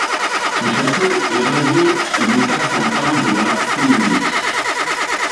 Son château est rasé et l'État s'empare de la seigneurie.